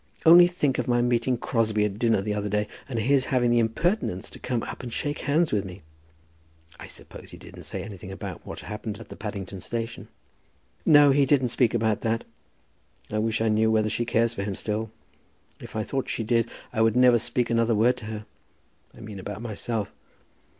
Only think of my meeting Crosbie at dinner the other day, and his having the impertinence to come up and shake hands with me." "I suppose he didn't say anything about what happened at the Paddington Station?" "No; he didn't speak about that. I wish I knew whether she cares for him still. If I thought she did, I would never speak another word to her, I mean about myself.